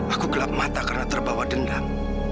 aku gelap mata karena terbawa dendam